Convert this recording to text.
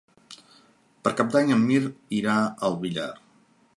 Per Cap d'Any en Mirt irà al Villar.